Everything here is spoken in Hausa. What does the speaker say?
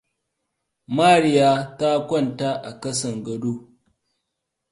Mariya ta kwanta a kasan gado.